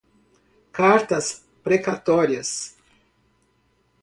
cartas precatórias